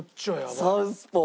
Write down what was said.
『サウスポー』。